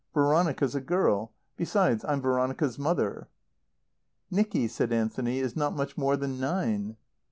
Veronica's a girl. Besides, I'm Veronica's mother." "Nicky," said Anthony, "is not much more than nine."